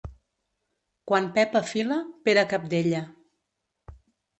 Quan Pepa fila, Pere cabdella.